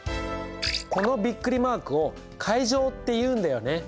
このビックリマークを階乗っていうんだよね。